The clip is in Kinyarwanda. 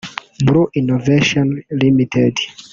Blue Innovation Ltd